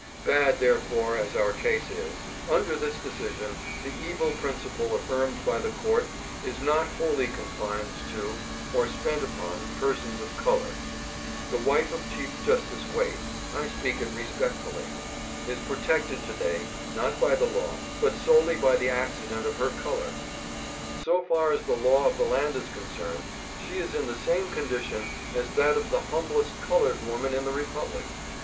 Bad, therefore, as our case is, under this decision, the evil principle affirmed by the court is not wholly confined to or spent upon persons of color. The wife of Chief Justice Waite — I speak it respectfully — is protected to day, not by the law, but solely by the acci dent of her color. So far as the law of the land is con cerned, she is in the same condition as that of the humblest colored woman in the Republic.